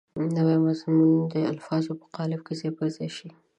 نوی مضمون د الفاظو په قالب کې ځای پر ځای شي.